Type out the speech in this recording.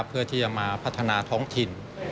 เพื่อที่จะมาพัฒนาท้องถิ่น